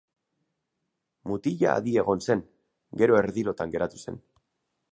Mutila adi egon zen, gero erdi lotan geratu zen.